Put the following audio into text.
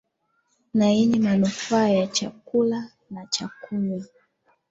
na yenye manufaa ya chakula na cha kunywa